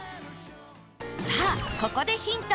さあここでヒント